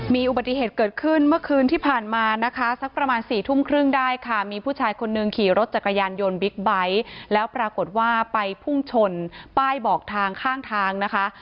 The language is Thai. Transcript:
มีอุบัติเหตุเกิดขึ้นเมื่อคืนที่ผ่านมานะคะสักประมาณสี่ทุ่มครึ่งได้ค่ะมีผู้ชายคนนึงขี่รถจักรยานยนต์บิ๊กไบท์แล้วปรากฏว่าไปพุ่งชนป้ายบอกทางข้างทางนะคะ